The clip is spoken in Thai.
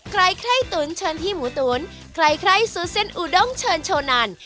ใครตุ๋นเชิญที่หมูตุ๋นใครซูซิ่งอูด้งเชิญโชนัน